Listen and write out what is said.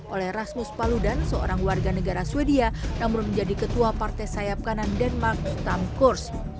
oleh rasmus paludan seorang warga negara swedia namun menjadi ketua partai sayap kanan denmark tamkurs